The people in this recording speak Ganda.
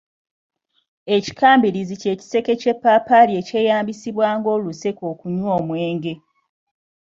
Ekikambirizi ky’ekiseke ky’eppaapaali ekyeyambisibwa ng’oluseke okunywa omwenge.